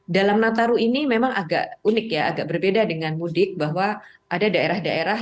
dalam nataru ini memang agak unik ya agak berbeda dengan mudik bahwa ada daerah daerah